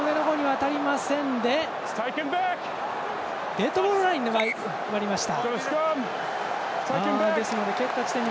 デッドボールラインを割りました。